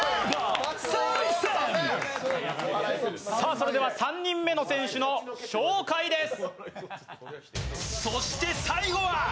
それでは３人目の選手の紹介です。